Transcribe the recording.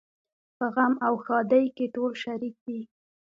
په غم او ښادۍ کې ټول شریک دي.